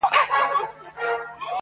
o بده ورځ کله کله وي!